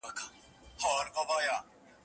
سلطنت یې له کشمیره تر دکن وو